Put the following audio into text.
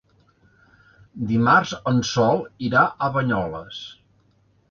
Dimarts en Sol irà a Banyoles.